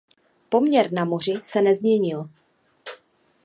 Poměr na moři se nezměnil.